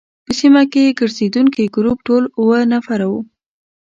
په سیمه کې ګرزېدونکي ګروپ ټول اووه نفره وو.